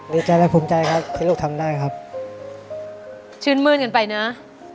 ดีใจและภูมิใจครับที่ลูกทำได้ครับชื่นมื้นกันไปนะ